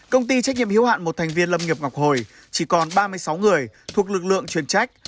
công ty trách nhiệm hiếu hạn một thành viên lâm nghiệp ngọc hồi chỉ còn ba mươi sáu người thuộc lực lượng chuyên trách